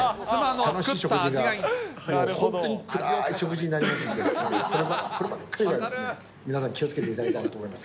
楽しい食事が本当に、暗ーい食事になりますんで、こればっかりは皆さん、気をつけていただきたいなと思います。